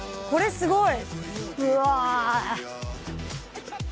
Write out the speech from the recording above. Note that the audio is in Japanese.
すごい！